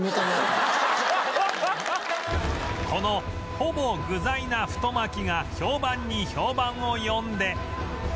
このほぼ具材な太巻きが評判に評判を呼んで